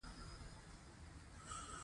پسه د افغانستان د امنیت په اړه هم اغېز لري.